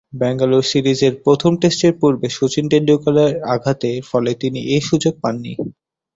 ব্যাঙ্গালোরে সিরিজের প্রথম টেস্টের পূর্বে শচীন তেন্ডুলকরের আঘাতের ফলে তিনি এ সুযোগ পান।